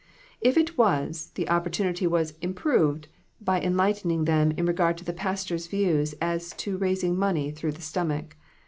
If it was, the oppor tunity was " improved " by enlightening them in regard to the pastor's views as to raising money through the stomach.